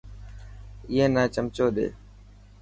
اي نا چمچو ڏي.